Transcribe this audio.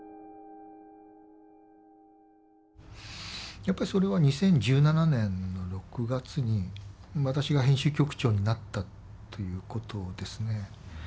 やっぱりそれは２０１７年の６月に私が編集局長になったということですね。